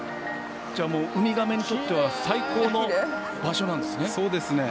ウミガメにとっては最高の場所なんですね。